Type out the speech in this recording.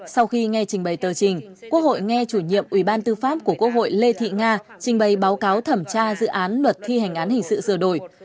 sau khi nghe trình bày tờ trình quốc hội nghe chủ nhiệm ủy ban tư pháp của quốc hội lê thị nga trình bày báo cáo thẩm tra dự án luật thi hành án hình sự sửa đổi